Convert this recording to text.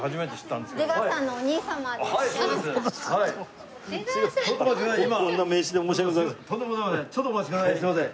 すみません。